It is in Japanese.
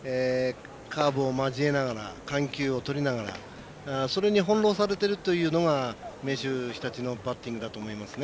カーブを交えながら緩急をとりながらそれに翻弄されているというのが明秀日立のバッティングだと思います。